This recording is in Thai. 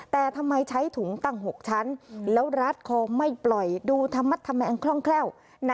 แต่ทำไมใช้ถุงตั้ง๖ชั้นแล้วรัดคอไม่ปล่อยดูธรรมแองคล่องแคล่ว